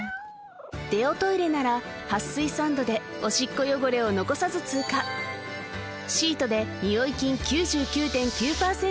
デオトイレなら撥水サンドでオシッコ汚れを残さず通過シートでニオイ菌９９．９％